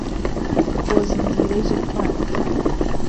بۆ زنجيرەی زولفانت